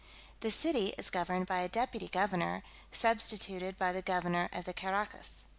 The city is governed by a deputy governor, substituted by the governor of the Caraccas.